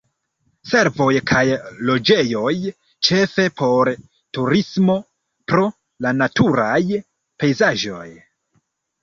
Servoj kaj loĝejoj ĉefe por turismo pro la naturaj pejzaĝoj.